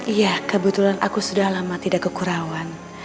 iya kebetulan aku sudah lama tidak kekurangan